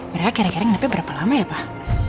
mereka kira kira nyepi berapa lama ya pak